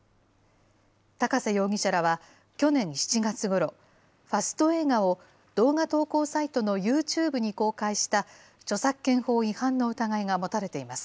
高瀬容疑者らは去年７月ごろ、ファスト映画を動画投稿サイトのユーチューブに公開した、著作権法違反の疑いが持たれています。